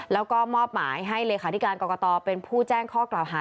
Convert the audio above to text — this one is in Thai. แล้วก็มอบหมายให้เลขาธิการกรกตเป็นผู้แจ้งข้อกล่าวหา